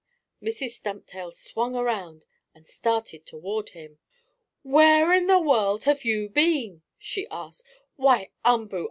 Mrs. Stumptail swung around and started toward him. "Where in the world have you been?" she asked. "Why, Umboo!